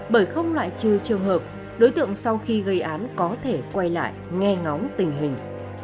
bởi không loại trừ trường hợp đối tượng sau khi gây án có thể quay lại nghe ngóng tình hình